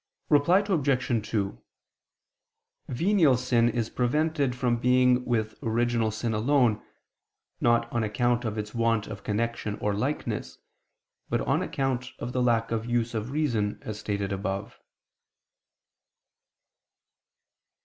Reply Obj. 2: Venial sin is prevented from being with original sin alone, not on account of its want of connection or likeness, but on account of the lack of use of reason, as stated above.